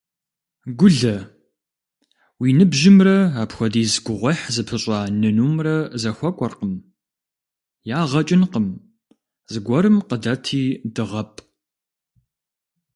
Гулэ, уи ныбжьымрэ апхуэдиз гугъуехь зыпыщӀа нынумрэ зэхуэкӀуэркъым. Ягъэ кӀынкъым, зыгуэрым къыдэти дыгъэпӀ.